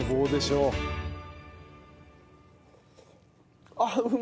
うん！